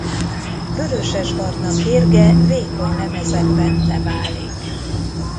Vörösesbarna kérge vékony lemezekben leválik.